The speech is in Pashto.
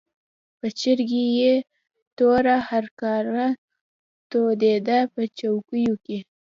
په چرګۍ کې یې توره هرکاره تودېده په کوچو کې.